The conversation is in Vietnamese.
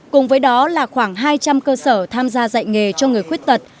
cùng với đó là khoảng hai trăm linh cơ sở tham gia dạy nghề cho người khuyết tật